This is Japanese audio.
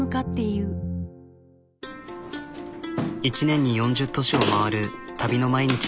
１年に４０都市を回る旅の毎日。